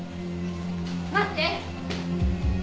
待って！